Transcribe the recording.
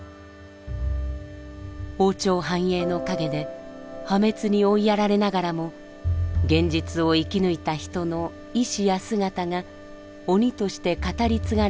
王朝繁栄の陰で破滅に追いやられながらも現実を生きぬいた人の意志や姿が「鬼」として語り継がれたのだといいます。